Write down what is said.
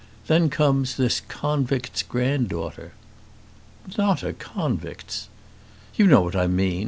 Then comes this convict's granddaughter." "Not a convict's!" "You know what I mean.